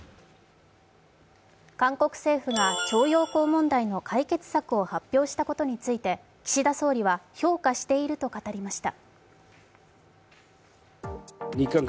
韓国政府が徴用工問題の解決策を発表したことについて岸田総理は評価していると語りました。